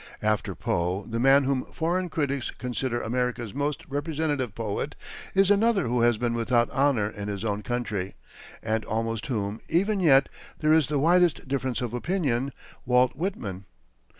After Poe, the man whom foreign critics consider America's most representative poet is another who has been without honor in his own country, and about whom, even yet, there is the widest difference of opinion Walt Whitman.